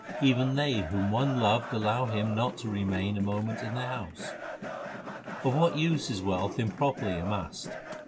Even they whom one loved allow him not to remain a moment in their house. Of what use is wealth improperly amassed